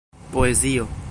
poezio